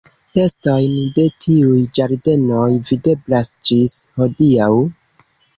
Restojn de tiuj ĝardenoj videblas ĝis hodiaŭ.